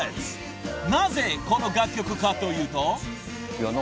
［なぜこの楽曲かというと］